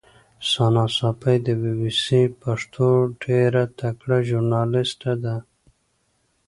ثنا ساپۍ د بي بي سي پښتو ډېره تکړه ژورنالیسټه ده.